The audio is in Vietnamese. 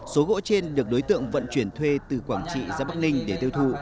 số gỗ trên được đối tượng vận chuyển thuê từ quảng trị ra bắc ninh để tiêu thụ